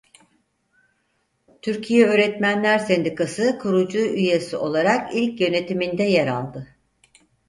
Türkiye Öğretmenler sendikası kurucu üyesi olarak ilk yönetiminde yer aldı.